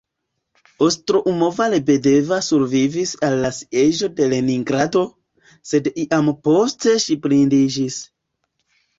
Ostroumova-Lebedeva survivis al la Sieĝo de Leningrado, sed iam poste ŝi blindiĝis.